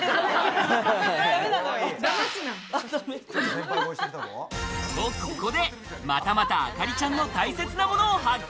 だますな！とここで、またまたあかりちゃんの大切なものを発見。